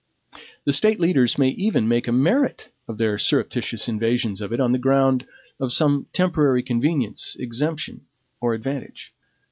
The State leaders may even make a merit of their surreptitious invasions of it on the ground of some temporary convenience, exemption, or advantage.